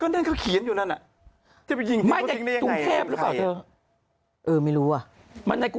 ก็นั่นเขาเขียนอยู่นั้นล่ะจะไปยิงทิ้งได้อย่างไรงั้นใคร